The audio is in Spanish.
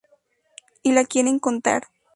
Y la quieren contar.